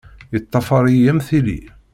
Yeṭṭafar-iyi am tili.